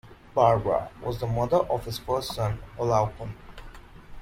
Barbara was the mother of his first son, Olaokun.